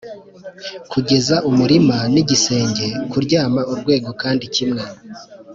kugeza umurima nigisenge kuryama urwego kandi kimwe